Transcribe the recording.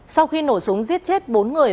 sau khi nổ súng giết chết bốn người